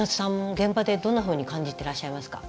現場でどんなふうに感じてらっしゃいますか？